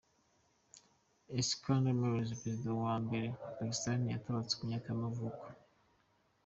Iskander Mirza, perezida wa mbere wa Pakistan yaratabarutse ku myaka y’amavuko.